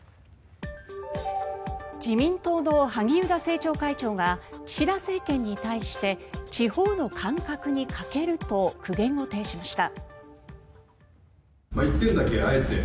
自民党の萩生田政調会長が岸田政権に対して地方の感覚に欠けると苦言を呈しました。